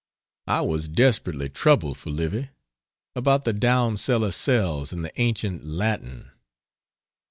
I was desperately troubled for Livy about the down cellar cells in the ancient "Latin."